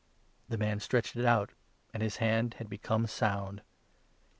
The man stretched it out ; and his hand had become sound.